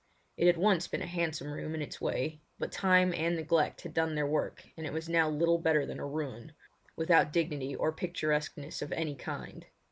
It had once been a handsome room in its way, but time and neglect had done their work and it was now little better than a ruin, without dignity or picturesqueness of any kind.